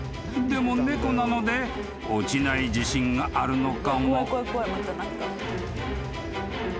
でも猫なので落ちない自信があるのかも］